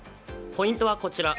ポイントはこちら。